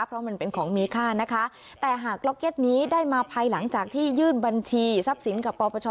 เพราะมันเป็นของมีค่านะคะแต่หากล็อกเก็ตนี้ได้มาภายหลังจากที่ยื่นบัญชีทรัพย์สินกับปปช